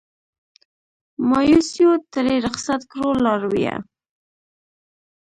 مایوسیو ترې رخصت کړو لارویه